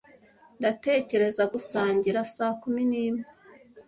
Ndatekereza gusangira saa kumi n'imwe